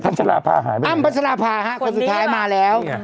อ้ำพัฒนาภาค่ะคนสุดท้ายมาแล้ว